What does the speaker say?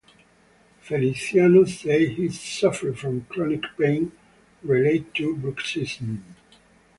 Feliciano said he suffered from chronic pain related to bruxism.